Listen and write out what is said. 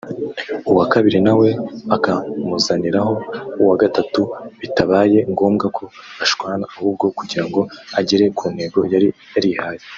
uwa kabiri nawe akamuzaniraho uwa gatatu bitabaye ngombwa ko bashwana ahubwo kugira ngo agere ku ntego yari yarihaye